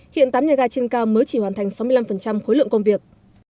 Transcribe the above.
hiện tám nhà ga trên cao mới chỉ hoàn thành sáu mươi năm khối lượng công việc